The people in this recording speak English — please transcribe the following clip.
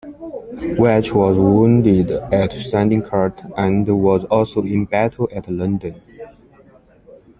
Vetch was wounded at Steinkirk and was also in battle at Landen.